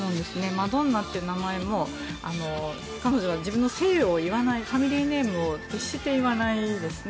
マドンナって名前も彼女は自分の姓を言わないファミリーネームを決して言わないですね。